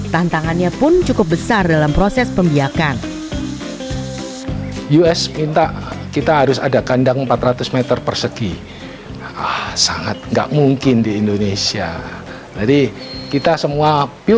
tantangannya pun cukup besar dalam proses pembiakan us minta